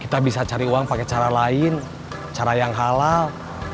kita bisa cari uang pakai cara lain cara yang halal